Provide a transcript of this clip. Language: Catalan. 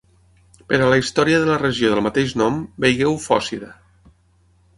Per a la història de la regió del mateix nom, vegeu Fòcida.